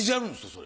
それ。